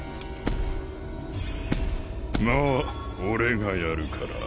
まあ俺がやるから。